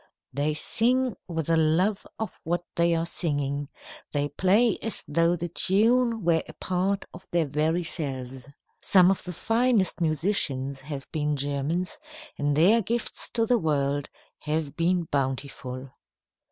They sing with a love of what they are singing, they play as though the tune were a part of their very selves. Some of the finest musicians have been Germans, and their gifts to the world have been bountiful.